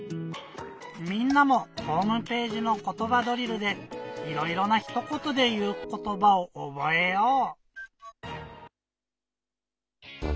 みんなもホームページの「ことばドリル」でいろいろなひとことでいうことばをおぼえよう！